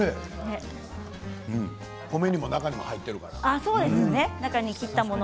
米にも中にも入っているから。